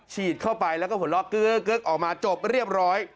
ฉีดเข้าไปแล้วก็หัวเราะกึ๊กออกมาจบเรียบร้อย